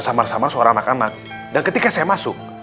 sama sama suara anak anak dan ketika saya masuk